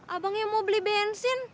abang yang mau beli bensin